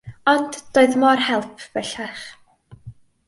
Ond doedd mo'r help bellach.